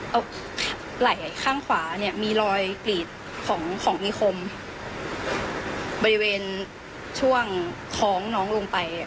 เอาไหล่ข้างขวาเนี่ยมีรอยกรีดของของมีคมบริเวณช่วงท้องน้องลงไป